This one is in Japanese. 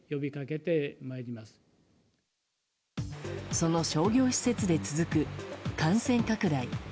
その商業施設で続く感染拡大。